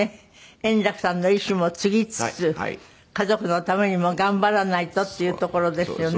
円楽さんの遺志も継ぎつつ家族のためにも頑張らないとっていうところですよね。